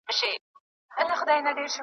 د لېوه زوی نه اموخته کېږي